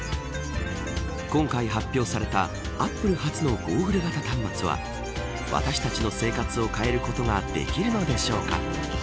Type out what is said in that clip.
今回発表されたアップル初のゴーグル型端末は私たちの生活を変えることができるのでしょうか。